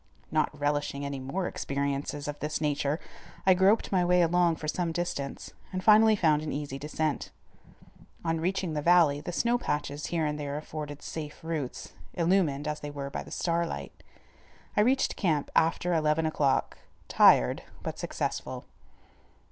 Not relishing any more experiences of this nature, I groped my way along for some distance and finally found an easy descent. On reaching the valley, the snow patches here and there afforded safe routes, illumined, as they were, by the starlight. I reached camp after eleven o'clock tired but successful.